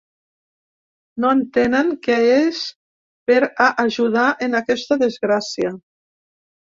No entenen que és per a ajudar en aquesta desgràcia.